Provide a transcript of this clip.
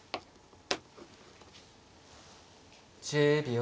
１０秒。